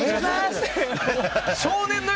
って。